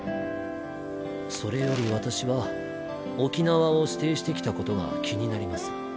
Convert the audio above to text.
それより私は沖縄を指定してきたことが気になります。